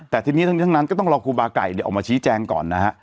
แต่ทีนี้ทั้งทั้งนั้นก็ต้องรอคูบาไก่เดี๋ยวออกมาชี้แจงก่อนนะฮะค่ะ